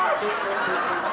aus om ya